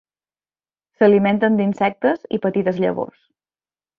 S'alimenten d'insectes i petites llavors.